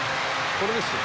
これですよ。